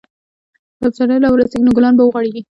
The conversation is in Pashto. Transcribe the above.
که پسرلی راورسیږي، نو ګلان به وغوړېږي.